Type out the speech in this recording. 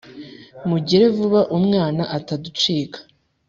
mugire vuba umwana ataducika